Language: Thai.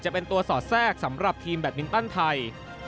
จะเป็นตัวสอดแทรกสำหรับทีมแบตมินตันไทย